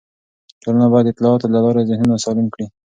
ټولنه باید د اطلاعاتو له لارې ذهنونه سالم کړي.